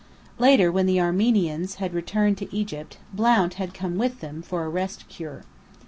Later, when the Armenians had returned to Egypt, "Blount" had come with him, for a "rest cure."